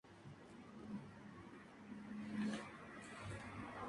Sin embargo, abandonó temporalmente los deportes debido a una lesión en el tobillo.